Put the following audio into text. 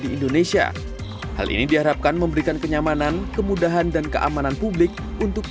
di indonesia hal ini diharapkan memberikan kenyamanan kemudahan dan keamanan publik untuk